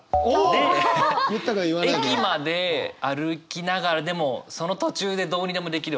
で駅まで歩きながらでもその途中でどうにでもできるわけですよね。